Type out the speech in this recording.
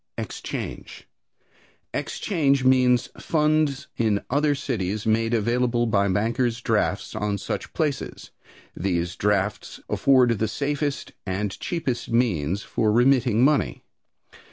Exchange. "Exchange" means funds in other cities made available by bankers' drafts on such places. These drafts afford the safest and cheapest means for remitting money.